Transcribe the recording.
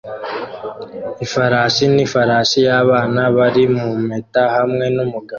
Ifarashi n'ifarashi y'abana bari mu mpeta hamwe n'umugabo